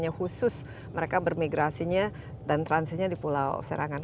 atau khusus mereka bermigrasinya dan transitnya di pulau sarangani